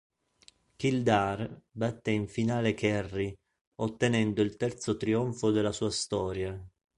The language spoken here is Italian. Kildare batté in finale Kerry ottenendo il terzo trionfo della sua storia.